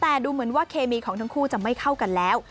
แต่ดูเหมือนว่าเคมีของทั้งคู่จะไม่เข้ากันแล้ว